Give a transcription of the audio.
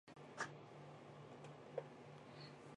节目旨在评选出中国优秀的原创歌曲与唱作人。